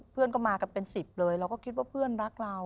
เพื่อนก็มากันเป็น๑๐เลยเราก็คิดว่าเพื่อนรักเรา